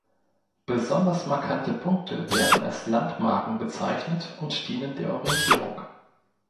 Besonders markante Punkte werden als Landmarken bezeichnet und dienen der Orientierung.